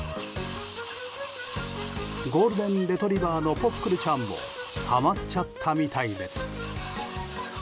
ゴールデンレトリバーのポックルちゃんもはまっちゃったみたいです。